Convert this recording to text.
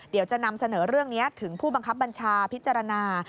เดี๋ยวจะนำเสนอเรื่องนี้ถึงผู้บังคับบัญชาพิจารณา